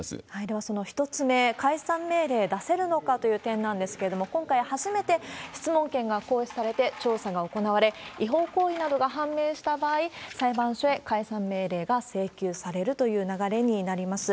ではその１つ目、解散命令出せるのかという点なんですけれども、今回、初めて質問権が行使されて調査が行われ、違法行為などが判明した場合、裁判所へ解散命令が請求されるという流れになります。